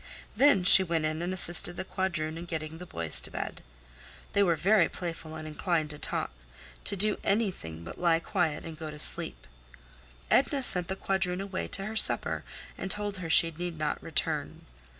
Then she went in and assisted the quadroon in getting the boys to bed. They were very playful and inclined to talk—to do anything but lie quiet and go to sleep. Edna sent the quadroon away to her supper and told her she need not return.